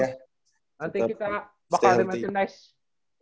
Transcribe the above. nanti kita bakal ada merchandise